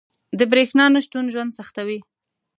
• د برېښنا نه شتون ژوند سختوي.